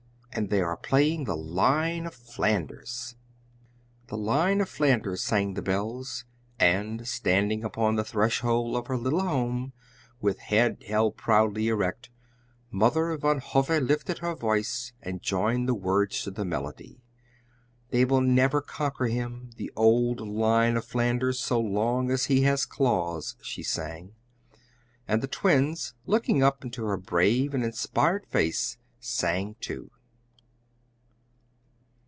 And they are playing 'The Lion of Flanders!'" (three lines of music) sang the bells, and, standing upon the threshold of her little home, with head held proudly erect, Mother Van Hove lifted her voice and joined the words to the melody. "They will never conquer him, the old Lion of Flanders, so long as he has claws!" she sang, and the Twins, looking up into her brave and inspired face, sang too.